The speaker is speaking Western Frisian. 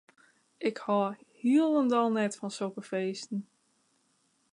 Ik hâld hielendal net fan sokke feesten.